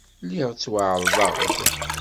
Lliɣ ttwaɛerḍeɣ-d.